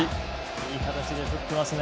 いい形で振っていますね。